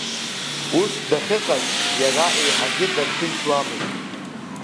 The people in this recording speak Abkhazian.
Ус дахьыҟаз иара еиҳагьы дарҭынчуамызт.